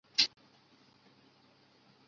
没有我的允许你敢随便跟别人走？！